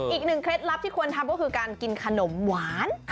เคล็ดลับที่ควรทำก็คือการกินขนมหวาน